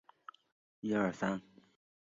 八百屋于七事件而闻名。